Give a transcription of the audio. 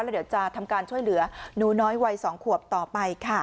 แล้วเดี๋ยวจะทำการช่วยเหลือหนูน้อยวัย๒ขวบต่อไปค่ะ